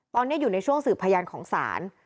ตอนนี้อยู่ในช่วงสืบพยานของศาล